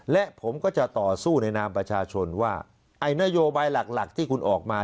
และผมก็จะต่อสู้ในนามประชาชนว่าไอ้นโยบายหลักที่คุณออกมา